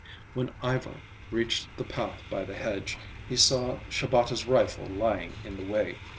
When Ivar reached the path by the hedge, he saw Shabata's rifle lying in the way.